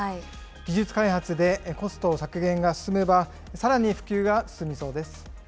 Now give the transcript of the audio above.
技術開発でコスト削減が進めば、さらに普及が進みそうです。